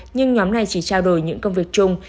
nhưng nhóm này chỉ trao đổi những công việc chung